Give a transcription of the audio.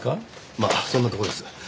まあそんなとこです。